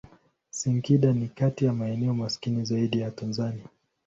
Singida ni kati ya maeneo maskini zaidi ya Tanzania.